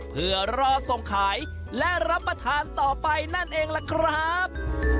เพื่อรอส่งขายและรับประทานต่อไปนั่นเองล่ะครับ